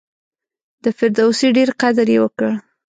د فردوسي ډېر قدر یې وکړ.